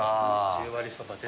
十割そばです。